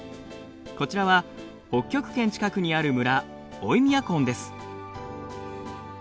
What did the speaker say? こちらは北極圏近くにある村オイミャコンです。